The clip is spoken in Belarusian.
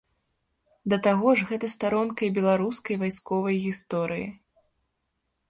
Да таго ж гэта старонка і беларускай вайсковай гісторыі.